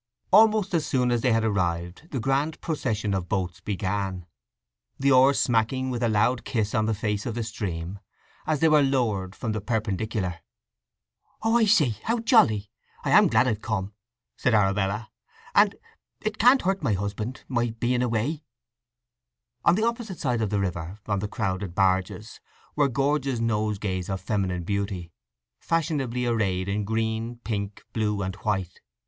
Almost as soon as they had arrived the grand procession of boats began; the oars smacking with a loud kiss on the face of the stream, as they were lowered from the perpendicular. "Oh, I say—how jolly! I'm glad I've come," said Arabella. "And—it can't hurt my husband—my being away." On the opposite side of the river, on the crowded barges, were gorgeous nosegays of feminine beauty, fashionably arrayed in green, pink, blue, and white.